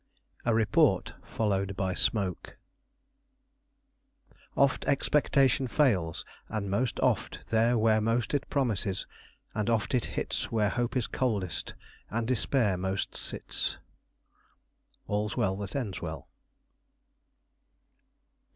XXIV. A REPORT FOLLOWED BY SMOKE "Oft expectation fails, and most oft there Where most it promises; and oft it hits Where Hope is coldest, and Despair most sits." All's Well that Ends Well.